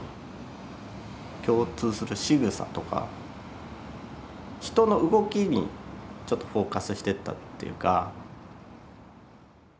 共通するしぐさとか人の動きにちょっとフォーカスしてったっていうか。